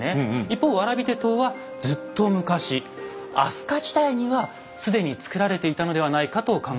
一方蕨手刀はずっと昔飛鳥時代には既に作られていたのではないかと考えられているんです。